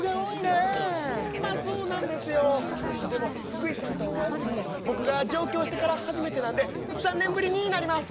ホンマそうなんですよ、でも福井さんとお会いするの僕が上京してから初めてなんで３年ぶりになります。